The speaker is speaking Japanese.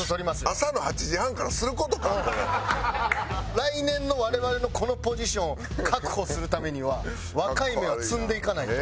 来年の我々のこのポジションを確保するためには若い芽は摘んでいかないと。